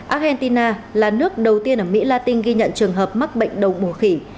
argentina là nước đầu tiên ở mỹ latin ghi nhận trường hợp mắc bệnh đầu mùa khỉ